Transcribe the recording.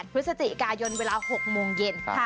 พฤศจิกายนเวลา๖โมงเย็น